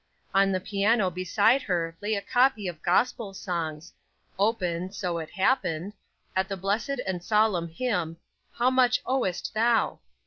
On the piano beside her lay a copy of "Gospel Songs;" open, so it happened (?), at the blessed and solemn hymn, "How much owest thou?"